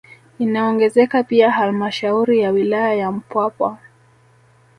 Inaongezeka pia halmashauri ya wilaya ya Mpwapwa